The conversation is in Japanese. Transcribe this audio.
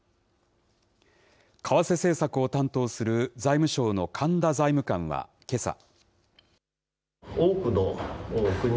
為替政策を担当する財務省の神田財務官はけさ。